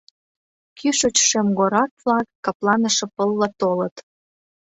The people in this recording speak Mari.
Кӱшыч шемгорак-влак капланыше пылла толыт.